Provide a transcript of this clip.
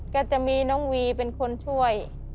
ก็จะมีน้องวีเป็นคนช่วย